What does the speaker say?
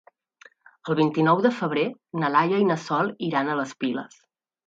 El vint-i-nou de febrer na Laia i na Sol iran a les Piles.